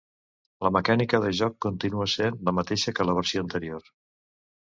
La mecànica de joc continua sent la mateixa que la versió anterior.